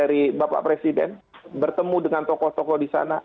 jadi saya berharap dengan keberhasilan dari bapak presiden bertemu dengan tokoh tokoh di sana